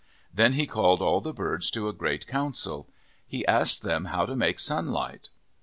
Then he called all the birds to a great council. He asked them how to make sunlight.